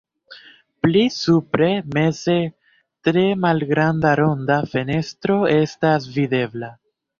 Pli supre meze tre malgranda ronda fenestro estas videbla.